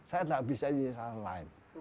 saya tidak bisa diisahkan lain